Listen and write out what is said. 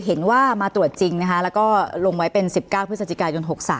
เห็นว่ามาตรวจจริงนะคะแล้วก็ลงไว้เป็น๑๙พฤศจิกายน๖๓